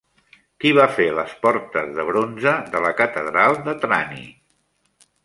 Qui va fer les portes de bronze de la catedral de Trani?